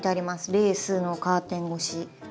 レースのカーテン越し。